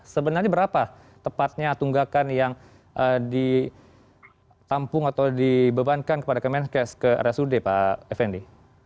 sebenarnya berapa tepatnya tunggakan yang ditampung atau dibebankan kepada kemenkes ke rsud pak effendi